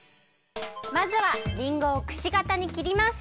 まずはりんごをくしがたにきります。